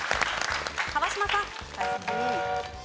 川島さん。